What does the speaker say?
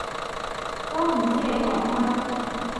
都唔知你講乜